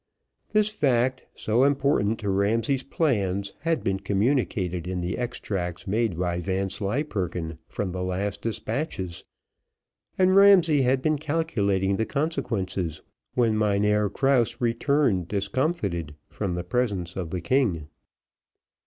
This fact, so important to Ramsay's plans, had been communicated in the extracts made by Vanslyperken from the last despatches, and Ramsay had been calculating the consequences when Mynheer Krause returned discomfited from the presence of the king.